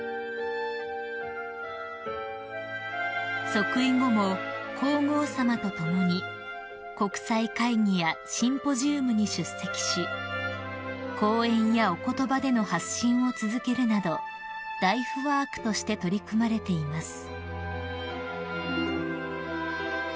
［即位後も皇后さまと共に国際会議やシンポジウムに出席し講演やお言葉での発信を続けるなどライフワークとして取り組まれています］